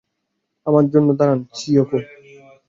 আমার জন্য দাঁড়ান, চিয়োকো!